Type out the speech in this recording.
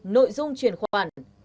nội dung truyền khoản